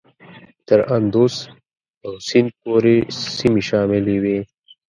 تر اندوس او سیند پورې سیمې شاملي وې.